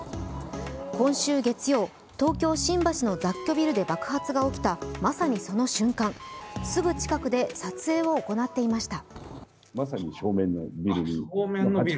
今週月曜、東京・新橋の雑居ビルで爆発が起きた、まさにその瞬間、すぐ近くで撮影を行っていました。